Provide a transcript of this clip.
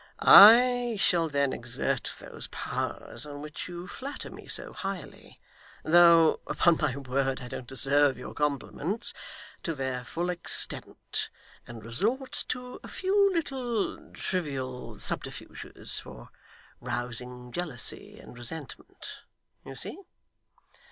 'I shall then exert those powers on which you flatter me so highly though, upon my word, I don't deserve your compliments to their full extent and resort to a few little trivial subterfuges for rousing jealousy and resentment. You see?